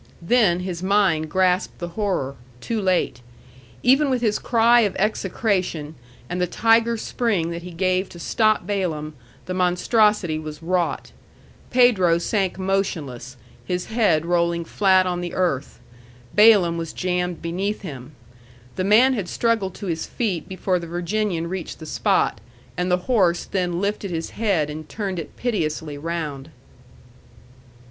Then his mind grasped the horror, too late. Even with his cry of execration and the tiger spring that he gave to stop Balaam, the monstrosity was wrought. Pedro sank motionless, his head rolling flat on the earth. Balaam was jammed beneath him. The man had struggled to his feet before the Virginian reached the spot, and the horse then lifted his head and turned it piteously round.